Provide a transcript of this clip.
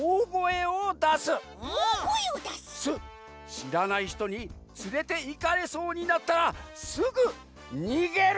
しらないひとにつれていかれそうになったら「す」ぐにげる！